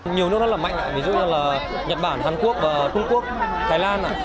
nhiều nước rất là mạnh ví dụ như là nhật bản hàn quốc và trung quốc thái lan